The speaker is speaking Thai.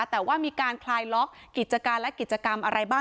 แต่ว่ามีการคลายล็อกกิจการและกิจกรรมอะไรบ้าง